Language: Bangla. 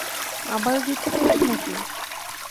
আবারও জিততে চলেছ নাকি?